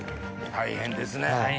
大変ですね。